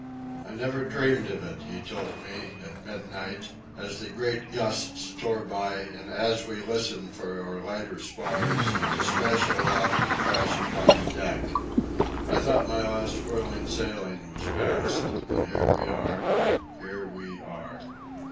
"I never dreamed of it," he told me, at midnight, as the great gusts tore by and as we listened for our lighter spars to smash aloft and crash upon the deck. "I thought my last whirling sailing was past. And here we are! Here we are!